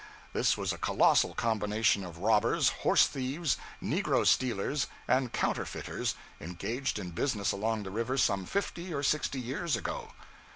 This was a colossal combination of robbers, horse thieves, negro stealers, and counterfeiters, engaged in business along the river some fifty or sixty years ago.